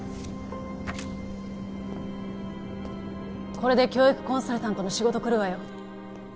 これで教育コンサルタントの仕事来るわよ